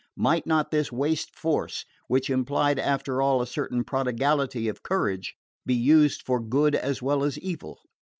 Might not this waste force which implied, after all, a certain prodigality of courage be used for good as well as evil?